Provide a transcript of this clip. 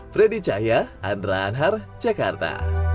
fredy cahya andra anhar jakarta